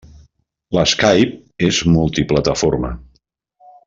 L'Skype és multiplataforma.